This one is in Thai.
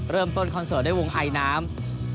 เริ่มต้นคอนเสิร์ตได้วงไอนน้ำ